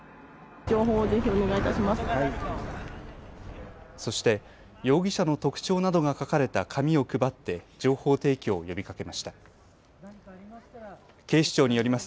情報をぜひお願いいたします。